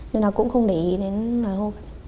nên là cũng không để ý đến hô hoán